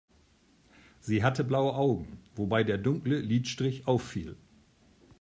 Sie hatte blaue Augen, wobei der dunkle Lidstrich auffiel.